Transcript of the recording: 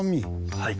はい。